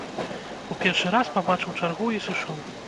У першы раз пабачыў чаргу і сышоў.